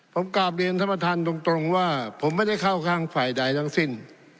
ผมกราบเรียนท่านประธานตรงว่าผมไม่ได้เข้าข้างฝ่ายใดทั้งสิ้น